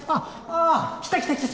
あ来た来た来た。